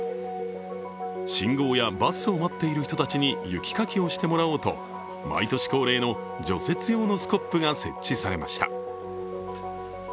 信号やバスを待っている人たちに雪かきをしてもらおうと毎年恒例の除雪用のスコップが設置されました。